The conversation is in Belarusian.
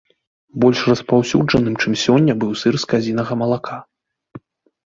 Больш распаўсюджаным, чым сёння, быў сыр з казінага малака.